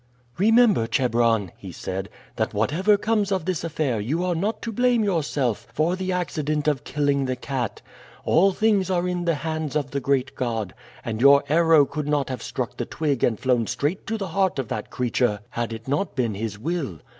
"Remember, Chebron," he said, "that whatever comes of this affair you are not to blame yourself for the accident of killing the cat. All things are in the hands of the great God, and your arrow would not have struck the twig and flown straight to the heart of that creature had it not been his will.